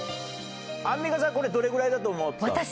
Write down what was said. アンミカさんこれどれぐらいだと思った？